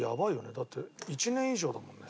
だって１年以上だもんね。